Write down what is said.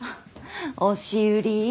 押し売り？